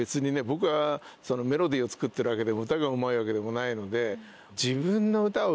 僕はメロディーを作ってるわけでも歌がうまいわけでもないので。